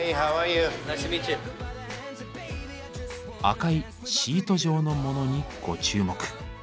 赤いシート状のモノにご注目。